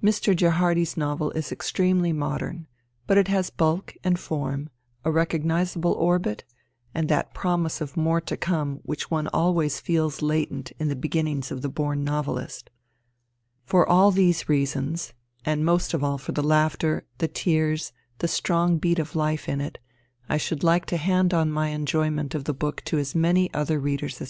Mr. Gerhardi's novel is extremely modern ; but it has bulk and form, a recognizable orbit, and that promise of more to come which one always feels latent in the begin nings of the born novelist. For all these reasons — and most of all for the laughter, the tears, the strong beat of life in it — I should like to hand on my enjoyment of the book to as many other readers